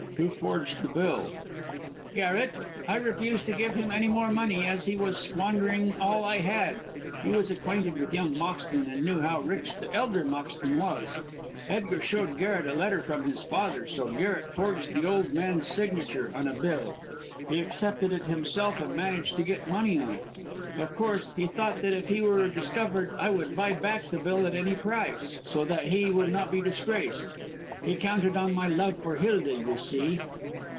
"Who forged the bill?" "Garret. I refused to give him any more money as he was squandering all I had. He was acquainted with young Moxton, and knew how rich the elder Moxton was. Edgar showed Garret a letter from his father, so Garret forged the old man's signature on a bill. He accepted it himself, and managed to get money on it. Of course, he thought that if he were discovered I would buy back the bill at any price, so that he would not be disgraced. He counted on my love for Hilda, you see."